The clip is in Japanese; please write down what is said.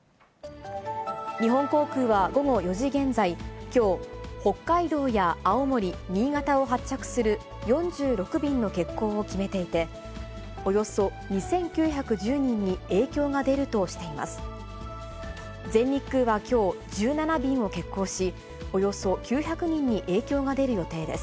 日本航空は午後４時現在、きょう、北海道や青森、新潟を発着する４６便の欠航を決めていて、およそ２９１０人に影響が出るとしています。